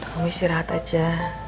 kamu istirahat aja